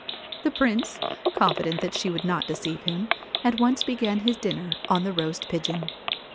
The Prince, confident that she would not deceive him, at once began his dinner on the roast pigeon.